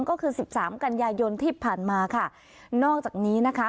ก็คือสิบสามกันยายนที่ผ่านมาค่ะนอกจากนี้นะคะ